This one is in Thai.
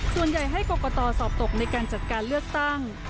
ส่วนใหญ่ให้กรกตสอบตกในการจัดการเลือกตั้ง